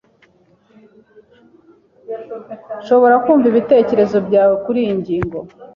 Nshobora kumva ibitekerezo byawe kuriyi ngingo?